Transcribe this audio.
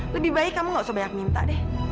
lebih baik kamu gak sebanyak minta deh